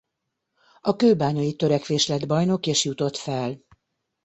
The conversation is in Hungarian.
A Kőbányai Törekvés lett bajnok és jutott fel.